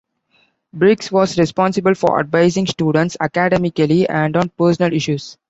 Briggs was responsible for advising students academically, and on personal issues.